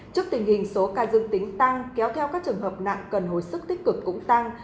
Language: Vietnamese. trước tình hình số ca dương tính tăng kéo theo các trường hợp nặng cần hồi sức tích cực cũng tăng